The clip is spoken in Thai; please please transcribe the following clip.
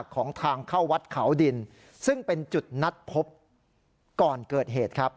ของทางเข้าวัดเขาดินซึ่งเป็นจุดนัดพบก่อนเกิดเหตุครับ